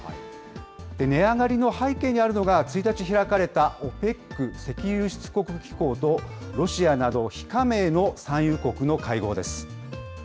値上がりの背景にあるのが、１日開かれた、ＯＰＥＣ・石油輸出国機構と、ロシアなど、非加盟の産油国の会合です。